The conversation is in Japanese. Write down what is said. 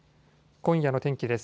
今夜の天気です。